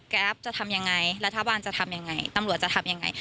จะทำยังไงรัฐบาลจะทำยังไงตำรวจจะทำยังไง